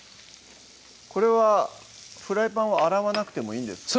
これはフライパンは洗わなくてもいいんですか？